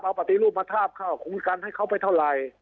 เอาปฏิรูปมาทาบข้าวคุยกันให้เขาไปเท่าไหร่